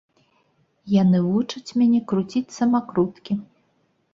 Яны вучаць мяне круціць самакруткі.